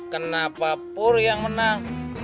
kenapa purr yang menang